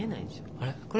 あれ？